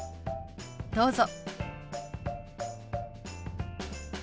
どうぞ。